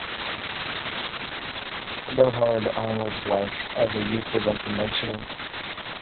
Eberhard Arnold's life as a youth was unconventional.